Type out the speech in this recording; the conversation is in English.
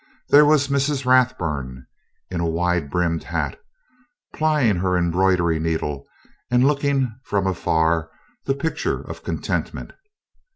There was Mrs. Rathburn in a wide brimmed hat, plying her embroidery needle and looking, from afar, the picture of contentment.